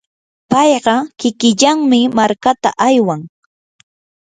payqa kikillanmi markata aywan.